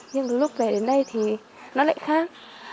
nhưng lúc về đến đây thì nó lại khác